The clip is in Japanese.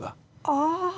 ああ。